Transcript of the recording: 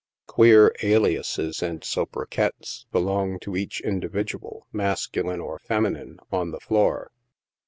Queer aliases or soubriquets belong to each individual, mas culine or feminine, on the floor.